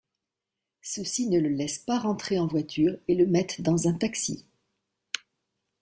Ceux-ci ne le laissent pas rentrer en voiture et le mettent dans un taxi.